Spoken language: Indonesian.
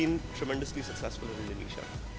dan itu sangat berhasil di indonesia